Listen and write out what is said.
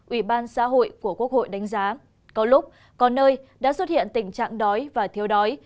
ủy ban xã hội của quốc hội đánh giá có lúc có nơi đã xuất hiện tình trạng đói và thiếu đói